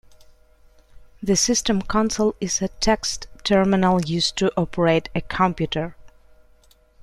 The System console is a text terminal used to operate a computer.